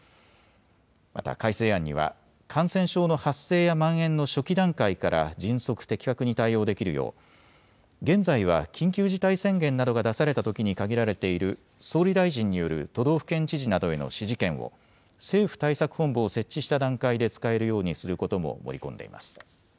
また改正案には感染症の発生やまん延の初期段階から迅速・的確に対応できるよう現在は緊急事態宣言などが出されたときに限られている総理大臣による都道府県知事などへの指示権を政府対策本部を設置した段階で使えるようにすることも盛り込んでいます。